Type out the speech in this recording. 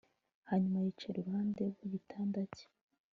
Hanyuma yicara iruhande rwigitanda cye